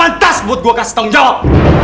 gak pantas buat gua kasih tanggung jawab